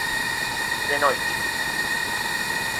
De noite.